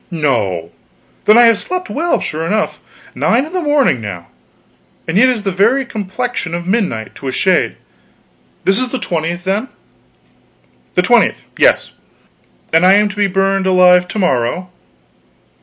"No! Then I have slept well, sure enough. Nine in the morning now! And yet it is the very complexion of midnight, to a shade. This is the 20th, then?" "The 20th yes." "And I am to be burned alive to morrow."